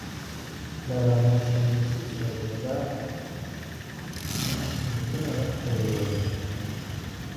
Als haar kat bier drinkt, wordt hij daar waarschijnlijk ziek van.